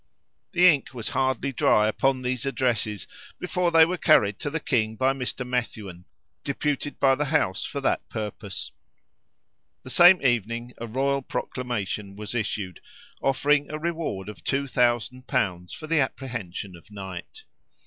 The ink was hardly dry upon these addresses before they were carried to the king by Mr. Methuen, deputed by the House for that purpose. The same evening a royal proclamation was issued, offering a reward of two thousand pounds for the apprehension of Knight.